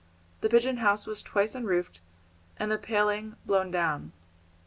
The pigeon house was twice unroofed and the paling blown down.